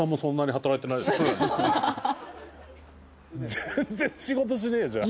全然仕事しねえじゃん。